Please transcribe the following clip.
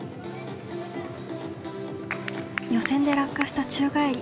予選で落下した宙返り。